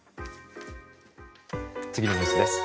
次のニュースです。